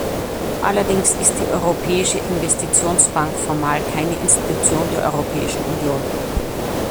Allerdings ist die Europäische Investitionsbank formal keine Institution der Europäischen Union.